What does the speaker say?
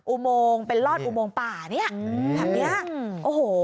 อุโมงเป็นรอดอุโมงป่านี่แบบนี้โอ้โห